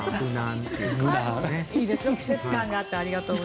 いいですね、季節感があって。